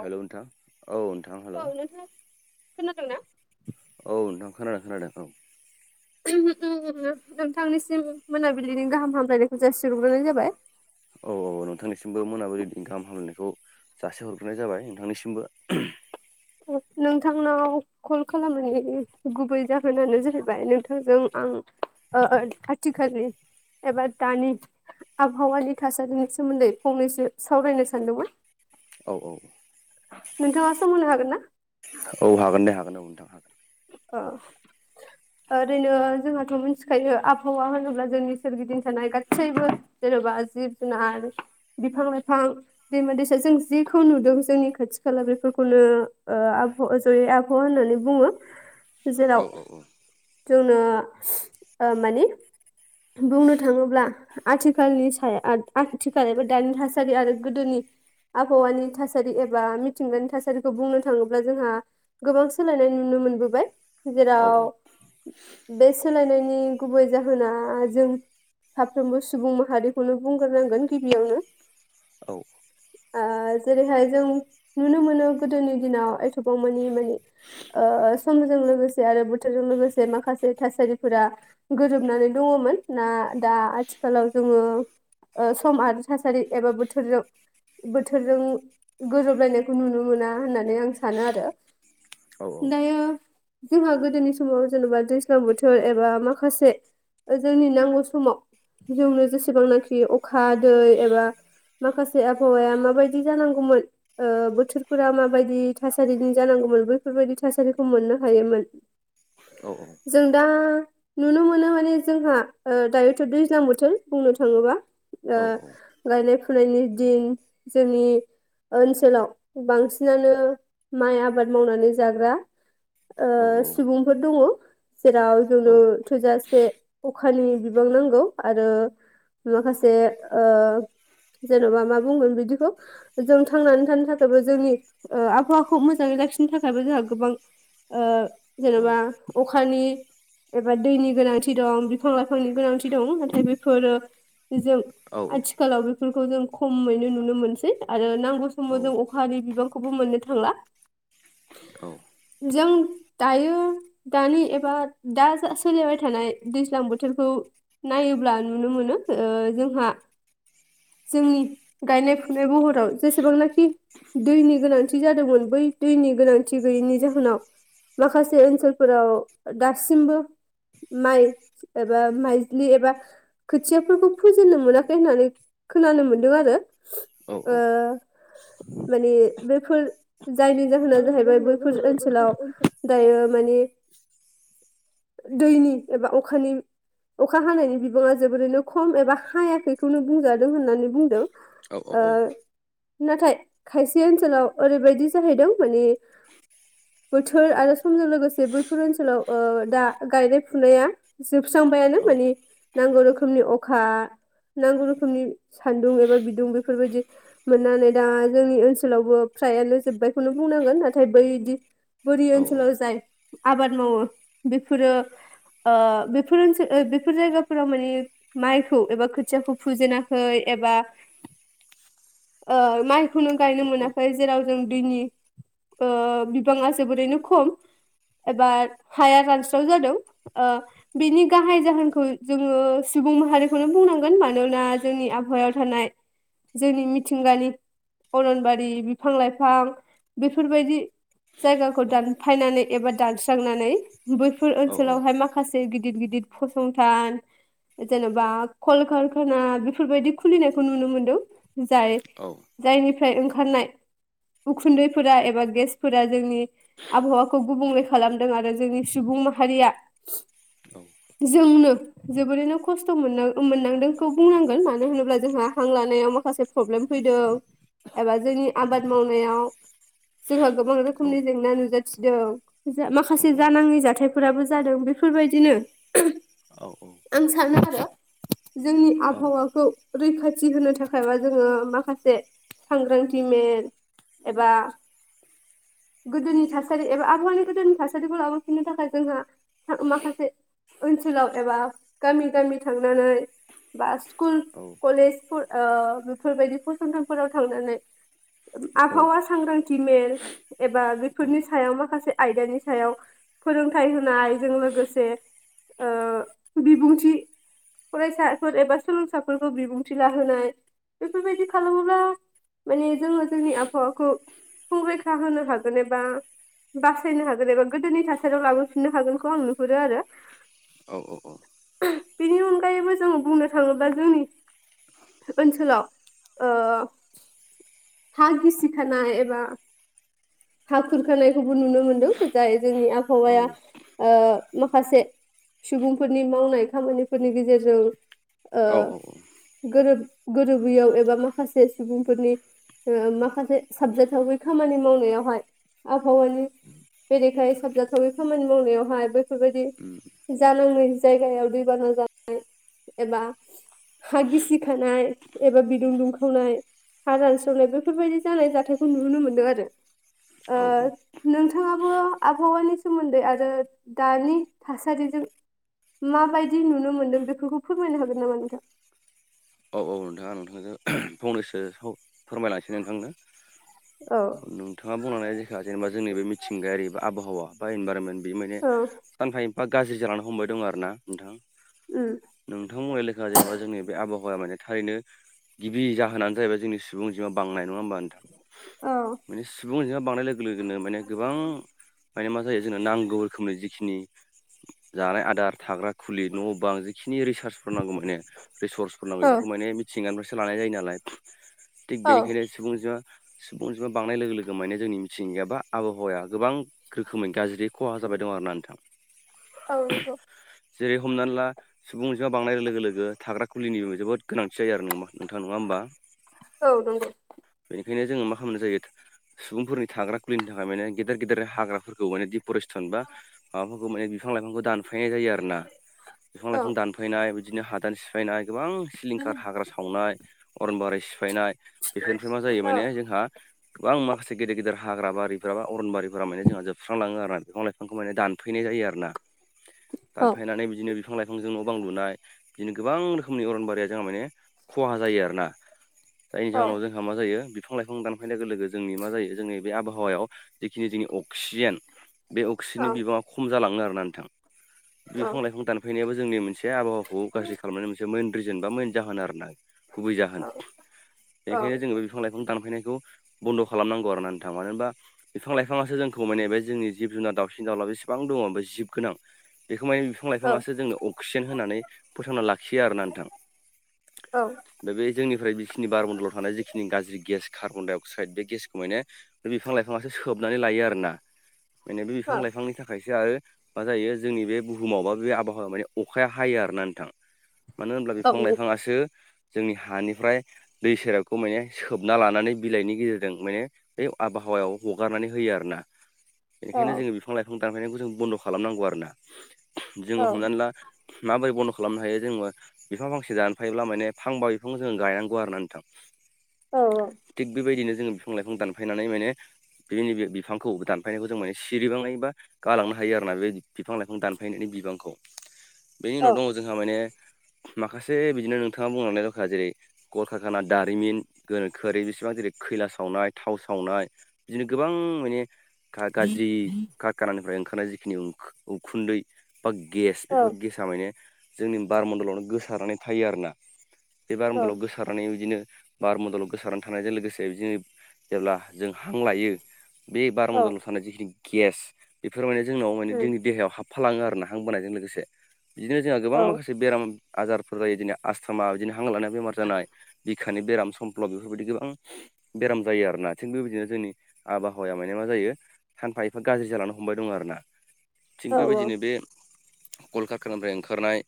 Hello नोंथां औ नोंथां हेलौ खोनादों ना औ नोंथां खोनादों खोनादों औ नोंथांनिसिम मोनाबिलिनि गाहाम हामलायनायखौ जासिहरग्रोनाय जाबाय औ औ औ नोंथांनिसिमबो मोनाबिलिनि गाहाम हामलायनायखौ जासि हरग्रोनाय जाबाय नोंथांनिसिमबो नोंथांनाव कल खालामनायनि गुबै जाहोनानो जाहैबाय नोंथांजों आं ओ आथिखालनि एबा दानि आबहावानि थासारिनि सोमोन्दै फंनैसो सावरायनो सानदोंमोन औ औ नोंथाङा सम होनो हागोन ना औ हागोन दे हागोन औ नोंथां हागोन औ ओरैनो जोंहाथ' मिथिखायो आबहावा होनोब्ला जोंनि सोरगिदिं थानाय गासैबो जेन'बा जिब जुनार बिफां लाइफां दैमा दैसा जों जिखौ नुदों जोंनि खाथि खाला बेफोरखौनो जयै आबहावा होननानै बुङो जेराव जोंनो माने बुंनो थाङोब्ला आथिखालनि सायाव आथिखाल एबा दानि थासारि आरो गोदोनि आबहावानि थासारि एबा मिथिंगानि थासारिखौ बुंनो थाङोब्ला जोंहा गोबां सोलायनाय नुनो मोनबोबाय औ जेराव बे सोलायनायनि गुबै जाहोना जों साफ्रोमबो सुबुं माहारिखौनो बुंग्रोनांगोन गिबियावनो औ जेरैहाय जों नुनो मोनो गोदोनि दिनाव एथबांमानि माने समजों लोगोसे आरो बोथोरजों लोगोसे माखासे थासारिफोरा गोरोबनानै दङमोन ना दा आथिखालाव जोङो सम आरो थासारि एबा बोथोरजों बोथोरजों गजोबलायनायखौ नुनो मोना होननानै आं सानो आरो औ दायो जोंहा गोदोनि समाव जेनेबा दैज्लां बोथोर एबा माखासे जोंनि नांगौ समाव जोंनो जेसेबांनाखि अखा दै एबा माखासे आबहावाया माबायदि जानांगौमोन बोथोरफोरा माबायदि थासारिनि जानांगौमोन बैफोरबायदि थासारिखौ मोननो हायोमोन औ जों दा नुनो मोनो माने जोंहा दायोथ' दैज्लां बोथोर बुंनो थाङोबा औ गायनाय फुनायनि दिन जोंनि ओनसोलाव बांसिनानो माइ आबाद मावनानै जाग्रा औ सुबुंफोर दङ जेराव औ जोंनो थोजासे अखानि बिबां नांगौ आरो माखासे जेन'बा मा बुंगोन बिदिखौ जों थांनानै थानो थाखायबो जोंनि आबहावाखौ मोजाङै लाखिनो थाखायबो जोंहा गोबां ओ जेनेबा अखानि एबा दैनि गोनांथि दं बिफां लाइफांनि गोनांथि दं नाथाय बेफोरो जों आथि औ आथिखालाव बेफोरखौ जों खमैनो नुनो मोनसै आरो नांगौ औ समाव जों अखानि बिबांखौबो मोननो थांला जों दायो दानि एबा दा सोलिबाय थानाय दैज्लां बोथोरखौ नायोब्ला नुनो मोनो जोंहा जोंनि गायनाय फुनाय महराव जेसेबांनाखि दैनि गोनांथि जादोंमोन बै दैनि गोनांथि गैयिनि जाहोनाव माखासे ओनसोलफोराव दासिमबो माइ एबा माइज्लि एबा खोथियाफोरखौ फोजेननो मोनाखै होननानै खोनानो मोन्दों आरो। ओ माने बेफोर जायनि जाहोना जाहैबाय बैफोर ओनसोलाव दायो मानि दैनि एबा अखानि अखा हानायनि बिबाङा जोबोरैनो खम एबा हायाखैखौनो बुंजादों होननानै बुंदों। ओ नाथाय खायसे ओनसोलाव ओरैबायदि जाहैदों मानि बोथोर आरो समजों लोगोसे बैफोर ओनसोलाव ओ दा गायनाय-फुनाया जोबस्रांबायानो मानि नांगौ रोखोमनि अखा नांगौ रोखोमनि सान्दुं एबा बिदुं बेफोर बायदि मोननानै दा जोंनि ओनसोलावबो फ्रायानो जोब्बायखौनो बुंनांगोन नाथाय बैदि बोरि ओनसोलाव जाय आबाद मावो बेफोरो बेफोर ओनसोल ओ बेफोर जायगाफोराव मानि माइखौ एबा खोथियाखौ फुजेनाखै एबा ओ माइखौनो गायनो मोनाखै जेराव जों दैनि ओ बिबाङा जोबोरैनो खम एबा हाया रानस्राव जादों। ओ बिनि गाहाय जाहोनखौ जोङो सुबुं माहारिखौनो बुंनांगोन मानोना जोंनि आबहावायाव थानाय जोंनि मिथिंगानि अरनबारि बिफां-लाइफां बेफोर बायदि जायगाखौ दानफायनानै एबा दानस्रांनानै बैफोर ओनसोलावहाय माखासे माखासे गिदिर-गिदिर फसंथान जेन'बा कलकारखाना बेफोर बायदि खुलिनायखौ नुनो मोनदों जाय जायनिफ्राय ओंखारनाय उखुन्दैफोरा एबा गेसफोरा जोंनि आबहावाखौ गुबुंले खालामदों आरो जोंनि सुबुं माहारिया जोंनो जोबोरैनो खस्थ' मोनो मोननांदोंखौ बुंनांगोन मानो होनोब्ला जोंहा हां लानायाव माखासे प्रब्लेम फैदों एबा जोंनि आबाद मावनायाव जोंहा गोबां रोखोमनि जेंना नुजाथिदों। जा माखासे जानाङै जाथायफोराबो जादों बेफोर बायदिनो औ औ। आं सानो जोंनि आबहावाखौ रैखाथि होनो थाखाय बा जोङो माखासे सांग्रांथि मेल एबा गोदोनि थासारि एबा आबहावानि गोदोनि थासारिखौ लाबोफिननो थाखाय जोंहा था माखासे ओनसोलाव एबा गामि-गामि थांनानै बा स्कुल, कलेजफोर ओ बेफोर बायदि फसंथानफोराव थांनानै आबहावा सांग्रांथि मेल एबा बेफोरनि सायाव माखासे आयदानि सायाव फोरोंथाइ होनायजों लोगोसे ओ बिबुंथि फरायसाफोर एबा सोलोंसाफोरखौ बिबुंथि लाहोनाय बेफोर बायदि खालामोब्ला माने जोङो जोंनि आबहावाखौ संरैखा होनो हागोन एबा बासायनो हागोन एबा गोदोनि थासारियाव लाबोफिननो हागोनखौ आं नुहुरो आरो। औ औ औ। बेनि अनगायैबो जों बुंनो थाङोब्ला जोंनि ओनसोलाव ओ हा गिसिखानाय एबा हा खुरखानायखौबो नुनो मोन्दों जाय जोंनि आबहावाया ओ माखासे सुबुंफोरनि मावनाय खामानिफोरनि गेजेरजों ओ औ औ गोरोब गोरोबैयाव एबा माखासे सुबुंफोरनि ओ माखासे साबजेक्टआवबो खामानि मावनायावहाय आबहावानि बेरेखाय साबजाथावि खामानि मावनायावहाय बेैफोरबायदि उम जानाङै जायगायाव दैबाना जानाय एबा हा गिसि खानाय एबा बिदुं दुंखावनाय हा रानस्रावनाय बेफोरबायदि जानाय जाथायखौ नुनो मोनदों आरो ओ औ नोंथाङाबो आबहावानि सोमोन्दै आरो दानि थासारिजों माबायदि नुनो मोनदों बेफोरखौ फोरमायनो हागोन नामा नोंथां औ औ नोंथां आं नोंथांजों फंनैसो फोरमायलांनोसै नोंथांनो औ नों नोंथाङा बुंलांनाय लेखा जेनेबा जोंनि बे मिथिंगायारि बा आबहावा बा इनभारमेन्ट बे माने औ सानफा एफा गाज्रि जालांनो हमबाय दं आरोना नोंथां उम नोंथां बुंनाय लेखा जेनेबा जोंनि बे आबहावाया माने थारैनो गिबि जाहोनानो जाहैबाय जोंनि सुबुं अनजिमा बांनाय नङा होमबा नोंथां औ माने सुबुं अनजिमा बांनाय लोगो लोगोनो माने गोबां माने मा जायो जोंना नांगौ रोखोमनि जिखिनि जानाय आदार थाग्रा खुलि न' बां जिखिनि रिसार्चफोर नांगौ माने रिसर्स नांगौ औ बेफोरखौ माने मिथिंगानिफ्रायसो लानाय जायो नालाय थिग औ बेनिखायनो सुबुं अनजिआ सुबुं अनजिमा बांनाय लोगो लोगो माने जोंनि मिथिंगाया बा आबहावाया गोबां रोखोमै गाज्रि खहा जाबाय दं आरोना नोंथां। औ नोंगौ जेरै हमनानै ला सुबुं अनजिमा बांनाय लोगो-लोगो थाग्रा खुलिनिबो जोबोद गोनांथि जायो आरो नङा नोंथां नङा होनोमबा औ नंगौ बेनिखायनो जोङो मा खालामनाय जायो सुबुंफोरनि थाग्रा खुलिनो थाखाय माने गेदेर गेदेर हाग्राफोरखौ माने डिपरेस्टन बा माबाफोरखौ माने बिफां लाइफांखौ दानफायनाय जायो आरोना बिफां औ लाइफां दानफायनाय बिदिनो हादान सिफायनाय गोबां सिलिंखार हाग्रा सावनाय अरन बारारि सिफायनाय बेफोरनिफ्राय मा जायो औ माने जोंहा गोबां माखासे गेदेर गेदेर हाग्रा बारिफोरा बा अरनबारिफोरा माने जोंहा जोबस्रालाङो आरोना बिफां-लायफां खौ माने दानफायनाय जायो आरो ना औ दानफायनानै बिदिनो बिफां लाइफांजों न' बां लुनाय बिदिनो गोबां रोखोमनि अरनबारिया जोंहा माने खहा जायो आरोना जायनि जाहोनाव जों जोंहा मा जायो बिफां लाइफां दानफायनाय लोगो लोगो जोंनि मा जायो जोंनि बे आबहावायाव जिखिनि जोंनि अक्सिजेन बे औ अक्सिजेननि बिबाङा खम जालाङो आरोना नोंथां औ बिफां लाइफां दानफैनायाबो जोंनि मोनसे आबहावाखौ गाज्रि खालामनायनि मोनसे मेन रिजन बा मेन जाहोन आरोना गुबै औ जाहोन औ बेनिखायनो जोङो बे बिफां लाइफां दानफायनायखौ बन्द' खालामनांगौ आरोना नोंथां मानो होनबा बिफां लाइफांआसो जोंखौ माने बे जोंनि जिब जुनार दावसिन दावला बेसेबां दङ बे जिब गोनां। बेखौ माने बि फां औ लाइफाङासो जोंनो अक्सिजेन होननानै फोथांना लाखियो आरोना नोंथां। औ उम दा बे जोंनिफ्राय बेखिनि बारमन्दलाव थानाय जिखिनि गाज्रि गेस कार्बन डाइ अक्साइड बे गेसखौ माने बे बिफां लाइफाङासो सोबनानै लायो आरोना माने बे बिफां लाइफांनि थाखायसो आरो। मा जायो जोंनि बे बुहुमावबा बे आबहावाया माने अखाया हायो आरोना नोंथां। मानो होनब्ला बिफां लाइफाङासो जोंनि हानिफ्राय दै सेराबखौ माने सोबना लानानै बिलाइनि गेजेरजों माने बे आबहावायाव हगारनानै होयो आरो ना। औ बेनिखायनो जोङो बिफां लाइफां दानफायनायखौ जों बन्द' खालामनांगौ आरोना औ जोङो हमनानै ला। माब्रै बनद खा खालामनो हायो जोङो बिफां फांसे जानोफायोब्ला माने फांबा बिफांखौ जोङो गायनांगौ आरोना नोंथां। थिग बेबायदिनो जोङो बिफां लाइफां दानफायनानै माने बेनै बे बिफांखौ दानफायनायखौ जों माने सिरिबांनाय बा गालांनो हायो आरोना बे बिफां लाइफां दानफायनायनि बिबांखौ बेनि उनाव औ दङ जोंहा माने माखासे बिदिनो नोंथाङा बुंलांनाय रोखा जेरै कलकखाना दारिमिन गोनोखोयारि बेसेबां जेरै खैला सावनाय थाव सावनाय। बिदिनो गोबां माने गाज्रि करखानानिफ्राय ओंखारनाय जिखिनि उखुन्दै बा गेस बेफोर गेस सा माने जोंनि बारमण्डलावनो गोसारनानै थायो आरोना बे औ बारमण्डलाव गोर गोसारनानै बिदिनो बारमण्डलाव गोसारनानै थानायजों लोगोसे बिदिनो जेब्ला जों हां लायो बे बारमण्डलाव थानाय जिखिनि गेस बेफोर माने जोंनाव माने जोंनि देहायाव हाब फालाङो आरो ना हां बोनायजों लोगोसे बिदिनो जोंहा गोबां माखासे बेराम आजारफोर जायो जोंनिया आसस्थमा बिदिनो हां लानाया बेमार जानाय बिखानि बेराम समफ्लब बेफोरबायदि गोबां बेराम जायो आरोना थिग बेबायदिनो जोंनि आबहावाया माने मा जायो सानफा एफा गाज्रि जालानो हमबाय दं आरो ना थिग बेबायदिनो बे कलकखारा कानानिफ्राय ओंखारनाय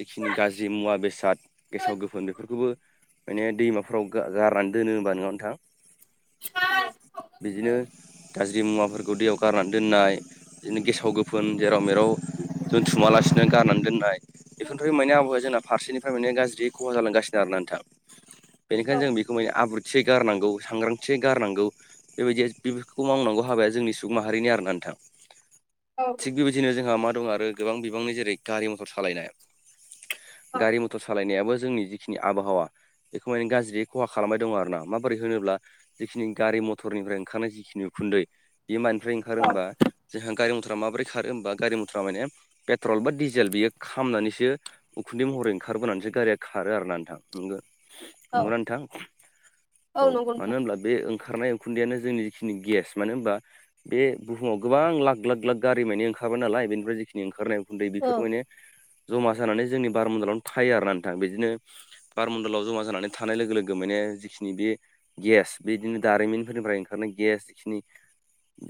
जिखिनि गाज्रि मुवा बेसाद गेसाव गोफोन बेफोरखौबो माने दैमाफोराव गारनानै दोनो होनबा नङा नोंथां। बिदिनो गाज्रि मुवाफोरखौ दैयाव गारनानै दोननाय बिदिनो गेसाव गो फोन जेराव मेराव जों दोथुमालासिनो गारनानै दोननाय बेफोरनिफ्राय मानि आबहावाया जोंना फारसेनिफ्राय मोने गाज्रि खहा जालांगासिनो आरो ना नोंथां बेनिखायनो जों बेखौ माने आब्रुथि थि गारनांगौ सांग्रांथियै गारनांगौ। बेबायदि बेफोरखौ मावनांगौ हाबाया जोंनि सुबुं माहारिनि आरो ना नोंथां [inaudible] थिग बेबायदिनो जोंहा मा दं आरो गोबां बिबांनि जेरै गारि मथर सालायनाय गारि मथर सालायनायाबो जोंनि जिखिनि आबहावा बेखौ माने गाज्रि खहा खालामबाय दं आरो ना माबोरै होनोब्ला जिखिनि गारि मथरनिफ्राय ओंखारनाय जिखिनि उखुन्दै बे मानिफ्राय ओंखार होमबा जोंहा गारि मथरा माबोरै खारो होमबा गारि मथरा माने पेट्रल बा डि जेल बियो खामनानैसो उखुन्दै महरै ओंखारबोनानैसो गारिया खारो आरो ना नोंथां नोंगो औ नंगौ ना नोंथां औ नंगौ मानो नोंथां होनब्ला बे ओंखारनाय उखुन्दैयानो जोंनि जिखिनि गेस मानो होनबा बे बुहुमाव गोबां लाख लाख लाख गारि मानि ओंखाराबाय नालाय बेनिफ्राय जिखिनि ओंखारनाय उखुन्दै औ बेफोर ने जमा जानानै जोंनि बारमण्डलावनो थायो आरो ना नोंथां बिदिनो बारमण्डलाव जमा जानानै थानाय लोगो लोगो माने जिखिनि बे गेस बिदिनो दारिमिनफोरनिफ्राय ओंखारनाय गेस जिखिनि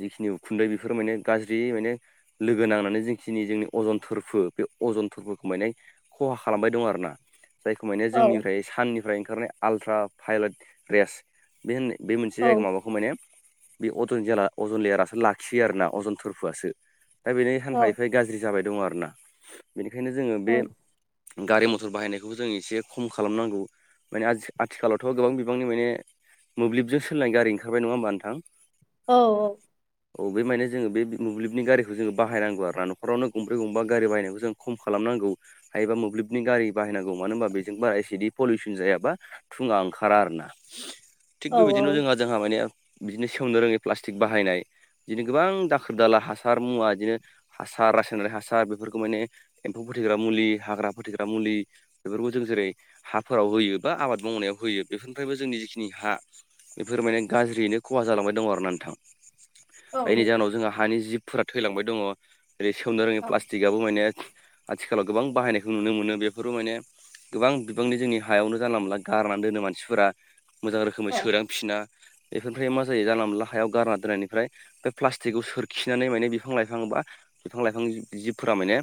जिखिनि उखुन्दै बेफोराव माने गाज्रि माने लोगो नांनानै जखिनि जोंनि अजन थोर फु बे अजनफोरखौ माने खहा खालामबाय दं आरोना जायखौ माने औ जोंनिफ्राय साननिफ्राय ओंखारनाय आल्ट्रा भायलाइट रेस बे होननाय बे मोनसे औ जायगा माबाखौ माने बे अजन जे अजन लेयारासो लाखियो आरोना अजन थोरफोआसो दा बेनि औ सानफा एफाय गाज्रि ज्रि जाबाय दङ आरोना बेनिखायनो जोङो औ बे गारि मथर बाहायनायखौबो जों एसे खम खालामनांगौ माने आथिखालावथ' गोबां बिबांनि माने मोब्लिबजों सोलाय गारि ओंखारबाय नङा होमबा नोंथां औ औ औ बे माने जोङो बे मोब्लिबनि गारिखौ जो बायनांगौ आरो न'खरावनो गंबै गंबा गारि बायनायखौ जों खम खालामनांगौ हायोबा मोब्लिबनि गारि बाहायनांगौ मानो होनबा बेजों बारा इसेदि पलिउसन जायाबा थुङा ओंखारा आरो ना थिग औ बेबायदिनो नंगौ जोंहा जोंहा माने बिदिनो सेवनो रोङि प्लास्टिक बाहायनाय बिदिनो गोबां दाखोर दाला हासार मुवा बिदिनो हासार रासायनारि हासार बेफोरखौ माने एम्फौ फोथैग्रा मुलि हाग्रा फोथैग्रा मुलि बेफोरखौ जों जेरै हाफोराव होयो बा आबाद मावनायाव होयो बेफोरनिफ्रायबो जोंनि जिखिनि हा बेफोर माने गाज्रियैनो खहा जालांबाय दं आरो ना नोंथां जायनि जाहोनाव जोंहा हानि जिबफोरा थैलांबाय दङ जेरै सेवनो रोङै प्लास् टिगाबो माने आथिखालाव गोबां बाहायनायखौ नुनो मोनो बेफोरबो माने गोबां बिबांनि जोंनि हायावनो जानला मोनला गारनानै दोनो मानसिफोरा मोजां रोखोमै औ औ सोदांफिना बेफोरनिफ्राय मा जायो जानला मोनला हायाव गारना दोननायनिफ्राय बे प्लास्टिकखौ सोरखिनानै माने बिफां लाइफां बा बिफां लाइफां जिबफोरा माने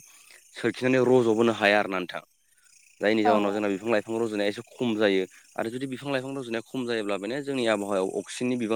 सोरखिनानै रज'बोनो हाया आरो ना नोंथां जायनि औ औ जाउनाव जोंना बिफां लाइ फां रज'नाया एसे खम जायो आरो जुदि बिफां लाफां रज'नाया खम जायोब्ला माने जोंनि आबहावायाव अक्सिजेननि बिबां